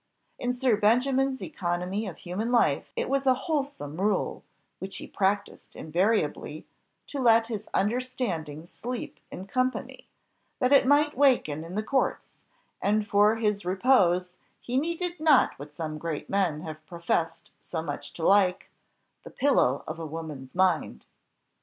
In Sir Benjamin's economy of human life it was a wholesome rule, which he practised invariably, to let his understanding sleep in company, that it might waken in the courts, and for his repose he needed not what some great men have professed so much to like "the pillow of a woman's mind."